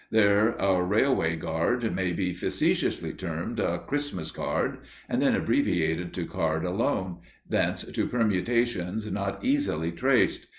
There a railway guard may be facetiously termed a "Christmas card," and then abbreviated to "card" alone, thence to permutations not easily traced.